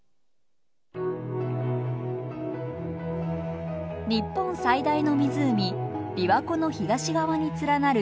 日本最大の湖琵琶湖の東側に連なる鈴鹿山脈。